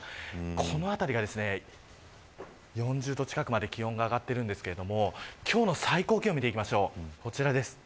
この辺りが４０度近くまで気温が上がっているんですが今日の最高気温を見ていきましょう。